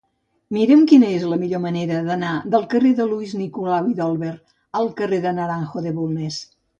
Mira'm quina és la millor manera d'anar del carrer de Lluís Nicolau i d'Olwer al carrer del Naranjo de Bulnes.